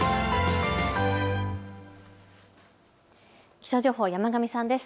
気象情報、山神さんです。